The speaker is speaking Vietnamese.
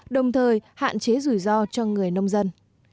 đồng thời hạn chế rủi ro cho người nông dân